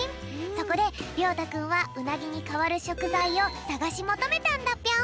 そこでりょうたくんはうなぎにかわるしょくざいをさがしもとめたんだぴょん。